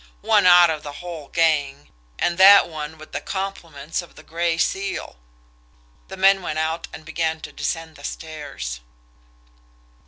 One out of the whole gang and that one with the compliments of the Gray Seal!" The men went out and began to descend the stairs.